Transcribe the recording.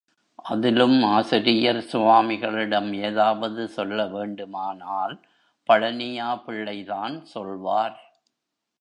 அதிலும் ஆசிரியர் சுவாமிகளிடம் ஏதாவது சொல்ல வேண்டுமானால் பழனியா பிள்ளை தான் சொல்வார்.